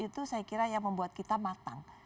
itu saya kira yang membuat kita matang